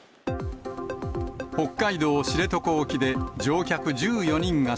北海道知床沖で乗客１４人が